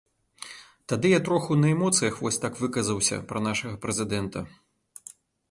Тады я троху на эмоцыях вось так выказаўся пра нашага прэзідэнта.